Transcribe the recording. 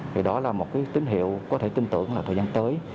thì đó là một cái tín hiệu có thể tin tưởng là thời gian tới